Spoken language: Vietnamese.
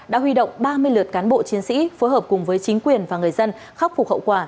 đã huy động ba mươi lượt cán bộ chiến sĩ phối hợp cùng với chính quyền và người dân khắc phục hậu quả